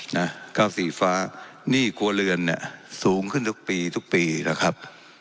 นะเก้าสีฟ้าหนี้ครัวเรือนเนี่ยสูงขึ้นทุกปีทุกปีนะครับ